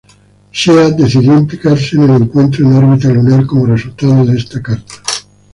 Shea decidió implicarse en el encuentro en órbita lunar como resultado de esta carta.